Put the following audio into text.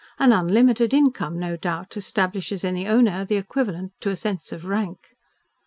An unlimited income, no doubt, establishes in the owner the equivalent to a sense of rank."